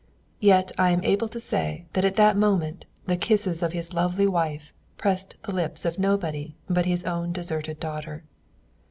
Yet I am able to say that at that moment the kisses of his lovely wife pressed the lips of nobody but his own deserted daughter.